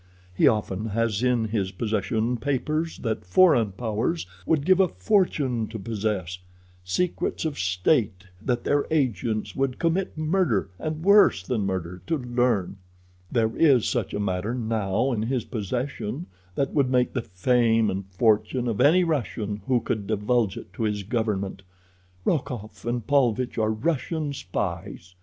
He often has in his possession papers that foreign powers would give a fortune to possess—secrets of state that their agents would commit murder and worse than murder to learn. "There is such a matter now in his possession that would make the fame and fortune of any Russian who could divulge it to his government. Rokoff and Paulvitch are Russian spies.